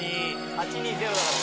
８：２：０だから。